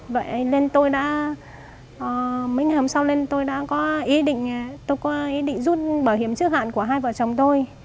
vậy nên tôi đã mấy ngày hôm sau nên tôi đã có ý định tôi có ý định rút bảo hiểm trước hạn của hai vợ chồng tôi